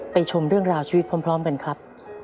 ชมเรื่องราวชีวิตพร้อมกันครับ